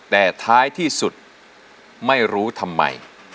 แต่ท้ายที่สุดไม่รู้ทำไม